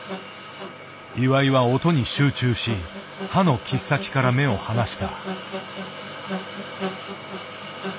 岩井は音に集中し刃の切っ先から目を離した。